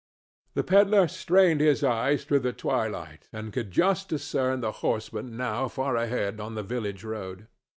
'" The pedler strained his eyes through the twilight, and could just discern the horseman now far ahead on the village road.